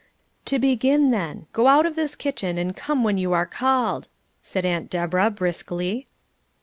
"To begin, then: Go out of this kitchen and come when you are called," said Aunt Deborah, briskly.